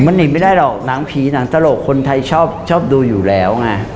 มันหนีไม่ได้หรอกหนังผีหนังตลกคนไทยชอบดูอยู่แล้วไง